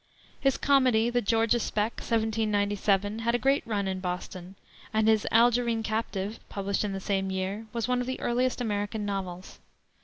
His comedy, the Georgia Spec, 1797, had a great run in Boston, and his Algerine Captive, published in the same year, was one of the earliest American novels.